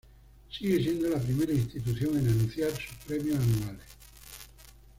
Sigue siendo la primera institución en anunciar sus premios anuales.